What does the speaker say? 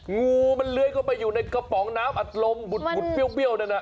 งูมันเลื้อยเข้าไปอยู่ในกระป๋องน้ำอัดลมบุดเปรี้ยวนั่นน่ะ